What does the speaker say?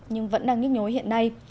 nhưng vẫn đang nhích nhối hiện nay